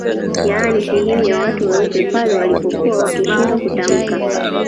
Yaani sehemu ya watu weusi pale walipokuwa wakishindwa kutamka